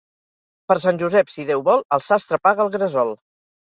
Per Sant Josep, si Déu vol, el sastre apaga el gresol.